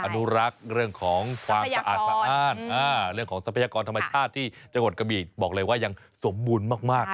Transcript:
อนุรักษ์เรื่องของความสะอาดสะอ้านเรื่องของทรัพยากรธรรมชาติที่จังหวัดกระบีบอกเลยว่ายังสมบูรณ์มาก